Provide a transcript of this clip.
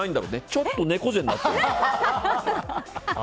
ちょっと猫背になってるの。